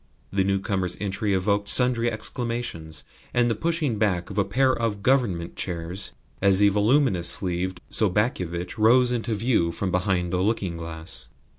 The newcomers' entry evoked sundry exclamations and the pushing back of a pair of Government chairs as the voluminous sleeved Sobakevitch rose into view from behind the looking glass.